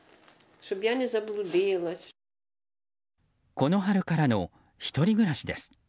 この春からの１人暮らしです。